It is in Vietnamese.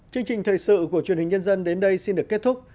chương trình thời sự của truyền hình nhân dân đến đây xin được kết thúc